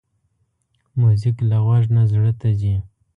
موزیک له غوږ نه زړه ته ځي.